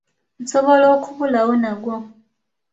Nsobola okubulawo nagwo.